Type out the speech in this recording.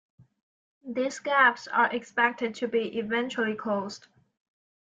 These gaps are expected to be eventually closed.